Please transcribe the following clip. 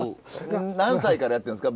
何歳からやってるんですか？